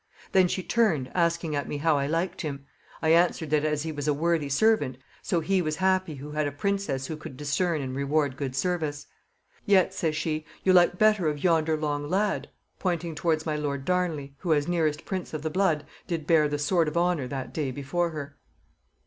Then she turned, asking at me how I liked him? I answered, that as he was a worthy servant, so he was happy, who had a princess who could discern and reward good service. Yet, says she, you like better of yonder long lad, pointing towards my lord Darnley, who, as nearest prince of the blood, did bear the sword of honor that day before her."